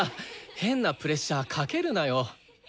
変なプレッシャーかけるなよ。